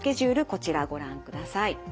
こちらご覧ください。